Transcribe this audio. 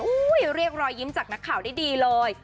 อุ้ยเรียกรอยยิ้มจากนักข่าวดีเลย